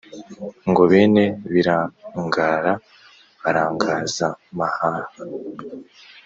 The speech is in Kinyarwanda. Ngo bene Birangaara barangaaz amahaha